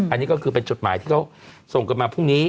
อันนี้ก็คือเป็นจดหมายที่เขาส่งกันมาพรุ่งนี้